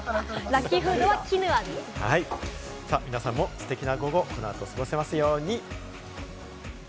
皆さんもステキな午後をこの後過ごせますように。